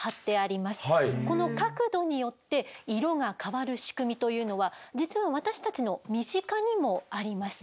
この角度によって色が変わる仕組みというのは実は私たちの身近にもあります。